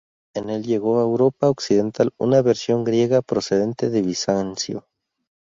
En el llegó a Europa occidental una versión griega procedente de Bizancio.